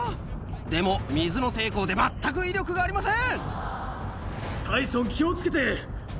でも水の抵抗で全く威力がありません